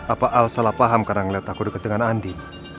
apa al salah paham karena ngeliat aku dekat dengan andi